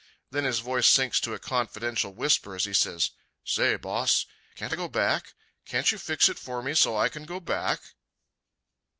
Then his voice sinks to a confidential whisper as he says, "Say, Boss, can't I go back? Can't you fix it for me so as I can go back?"